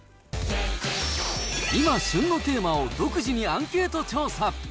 今旬のテーマを独自にアンケート調査。